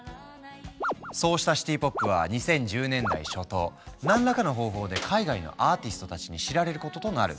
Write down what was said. そうしたシティ・ポップは２０１０年代初頭何らかの方法で海外のアーティストたちに知られることとなる。